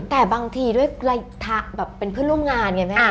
แต่บางทีด้วยระยะแบบเป็นเพื่อนร่วมงานไงแม่